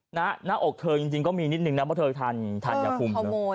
หน้าอกเธอจริงก็มีนิดนึงนะเพราะเธอทานยาคุมเลย